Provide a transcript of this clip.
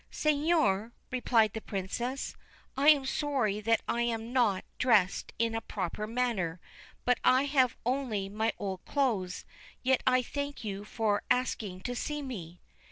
' Seigneur,' replied the Princess, ' I am sorry that I am not dressed in a proper manner, but I have only my old clothes ; yet I thank you for asking to see me.'